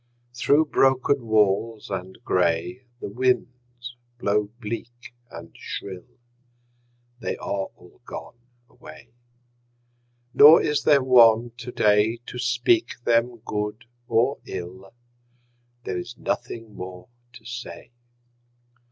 Through broken walls and gray The winds blow bleak and shrill: They are all gone away. Nor is there one today To speak them good or ill: There is nothing more to say.